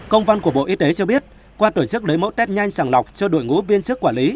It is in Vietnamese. công văn của bộ y tế cho biết qua tổ chức lấy mẫu test nhanh sàng lọc cho đội ngũ viên sức quản lý